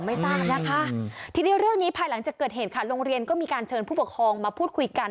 ไม่ทราบนะคะทีนี้เรื่องนี้ภายหลังจากเกิดเหตุค่ะโรงเรียนก็มีการเชิญผู้ปกครองมาพูดคุยกัน